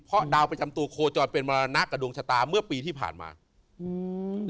เพราะดาวประจำตัวโคจรเป็นมรณะกับดวงชะตาเมื่อปีที่ผ่านมาอืม